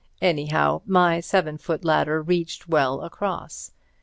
Anyhow, my seven foot ladder reached well across.